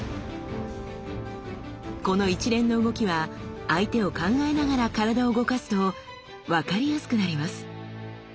この一連の動きは相手を考えながら体を動かすと分かりやすくなります。